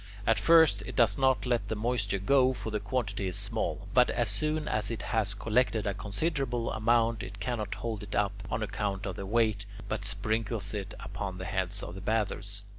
At first it does not let the moisture go, for the quantity is small; but as soon as it has collected a considerable amount, it cannot hold it up, on account of the weight, but sprinkles it upon the heads of the bathers.